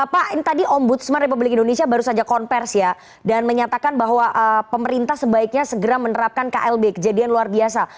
pak tadi ombudsman republik indonesia baru saja konversi ya dan menyatakan bahwa pemerintah sebaiknya segera menerapkan klb kejadian luar biasa